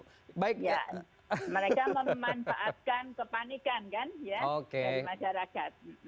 ya mereka memanfaatkan kepanikan kan ya dari masyarakat